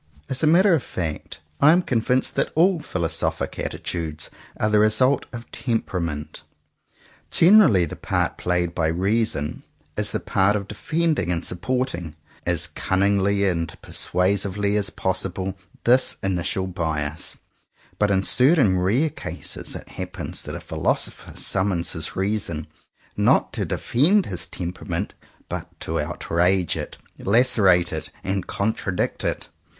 As a matter of fact, I am convinced that all philosophical attitudes are the result of temperament. Generally the part played by reason is the part of defending and supporting, as cunningly and persuasively as possible, this initial bias; but in certain rare cases it happens that a philosopher summons his reason, not to defend his temperament but to outrage it, lacerate it, and contradict it.